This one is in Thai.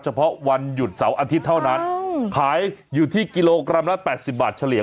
เฉพาะวันหยุดเสาร์อาทิตย์เท่านั้นขายอยู่ที่กิโลกรัมละ๘๐บาทเฉลี่ย